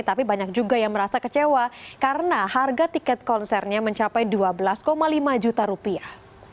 tapi banyak juga yang merasa kecewa karena harga tiket konsernya mencapai dua belas lima juta rupiah